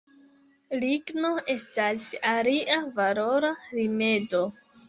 Ligno estas alia valora rimedo.